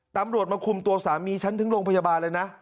ตำรวจมาคุมตัวสามีฉันถึงโรงพยาบาลเลยนะ